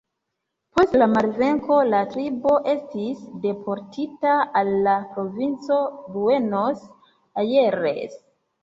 Post la malvenko la tribo estis deportita al la provinco Buenos Aires.